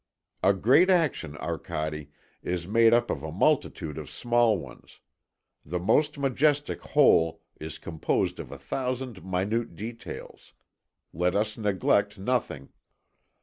"A great action, Arcade, is made up of a multitude of small ones; the most majestic whole is composed of a thousand minute details. Let us neglect nothing."